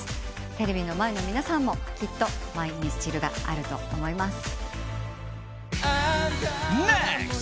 テレビの前の皆さんもきっとマイミスチルがあると思います。